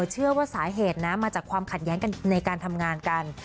เชื่อว่าสาเหตุนะมาจากความขัดแย้งกันในการทำงานกัน